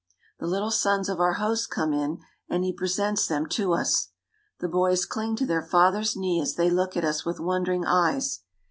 The little sons of our host come in, and he presents them to us. The boys cling to their father's knee as they look at us with wondering eyes.